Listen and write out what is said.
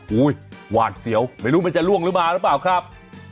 หูวหวาดเสียวไม่รู้มันจะล่วงหรือไม่ครับ